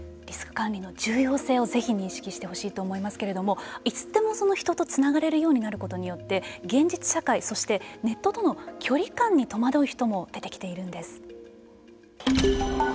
リスク管理の重要性をぜひ認識してほしいと思いますけれどもいつでも人とつながれるようになることによって現実社会そしてネットとの距離感に戸惑う人も出てきているんです。